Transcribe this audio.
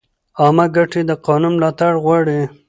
عامه ګټې د قانون ملاتړ غواړي.